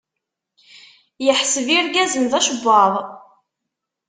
Iḥseb irgazen d acebbaḍ.